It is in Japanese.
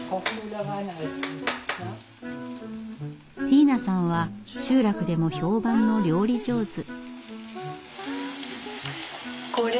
ティーナさんは集落でも評判の料理上手。